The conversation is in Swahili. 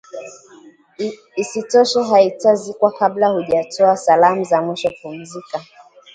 isitoshe haitazikwa kabla hujatoa salamu za mwisho pumzika